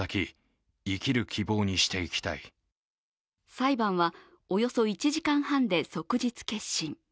裁判は、およそ１時間半で即日結審。